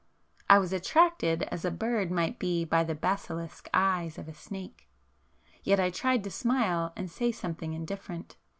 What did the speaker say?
I was attracted as a bird might be by the basilisk eyes of a snake,—yet I tried to smile and say something indifferent.